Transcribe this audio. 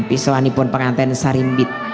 pisauan ibu pengantin sarimbit